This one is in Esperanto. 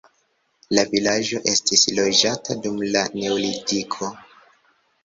La vilaĝo estis loĝata dum la neolitiko.